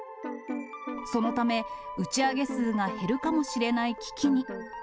そのため、打ち上げ数が減るかもしれない危機に。